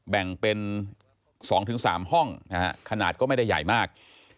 แบ่งเป็น๒๓ห้องนะฮะขนาดก็ไม่ได้ใหญ่มาก